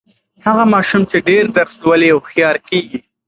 هغه ماشوم چې ډېر درس لولي، هوښیار کیږي.